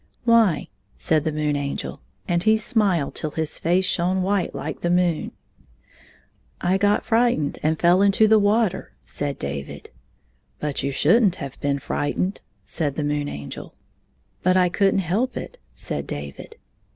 " Why 1 " said the Moon Angel, and he smiled till his face shone white like the moon. " I got frightened and fell into the water," said David. " But you should n't have been fi ightened," said the Moon Angel. 35 " But I could n't help it," said David.